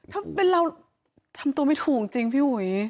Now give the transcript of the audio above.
ถ้าเป็นเราทำตัวไม่ถูกจริงพี่อุ๋ย